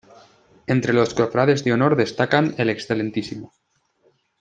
Entre los Cofrades de Honor destacan el Excmo.